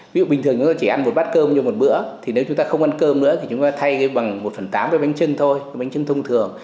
ví dụ bình thường chúng ta chỉ ăn một bát cơm như một bữa thì nếu chúng ta không ăn cơm nữa thì chúng ta thay bằng một phần tám cái bánh chân thôi bánh trưng thông thường